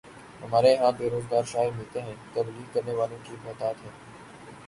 ہمارے ہاں بے روزگار شاعر ملتے ہیں، تبلیغ کرنے والوں کی بہتات ہے۔